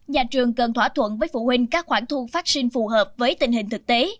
nhà trường cần thỏa thuận với phụ huynh các khoản thu phát sinh phù hợp với tình hình thực tế